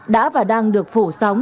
đã và đang được phổ sóng